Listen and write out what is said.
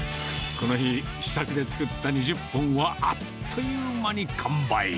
この日、試作で作った２０本は、あっという間に完売。